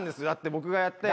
僕がやって。